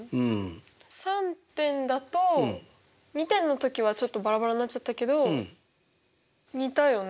３点だと２点のときはちょっとバラバラになっちゃったけど似たよね？